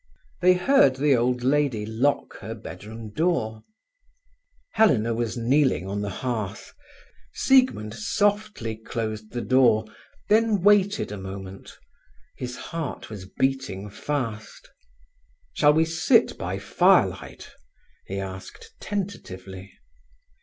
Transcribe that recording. They heard the old lady lock her bedroom door. Helena was kneeling on the hearth. Siegmund softly closed the door, then waited a moment. His heart was beating fast. "Shall we sit by firelight?" he asked tentatively.